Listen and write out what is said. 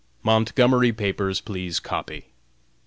"Montgomery papers please copy."